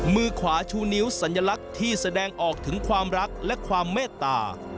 มือขวาชูนิ้วสัญลักษณ์ที่แสดงออกถึงความรักและความเมตตา